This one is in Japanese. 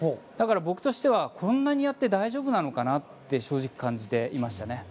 だから僕としてはこんなにやって大丈夫なのかなと正直、感じていました。